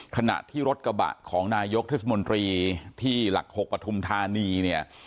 ขณะที่รถกระบะของนายกเทศมนตรีที่หลัก๖ปฐุมธานีเนี่ย